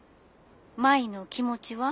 ☎舞の気持ちは？